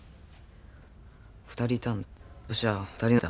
２人いたんだ。